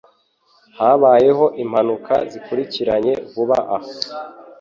Habayeho impanuka zikurikiranye vuba aha.